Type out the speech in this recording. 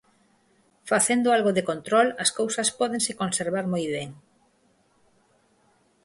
Facendo algo de control, as cousas pódense conservar moi ben.